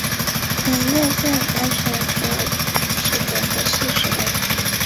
早年在斯坦福大学取得博士学位。